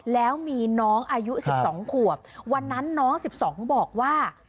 แล้วมีน้องอายุ๑๒ขวบวันนั้นน้อง๑๒บอกว่า